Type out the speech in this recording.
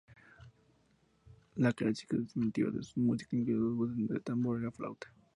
La característica distintiva de su música incluye las voces, el tambor y la flauta.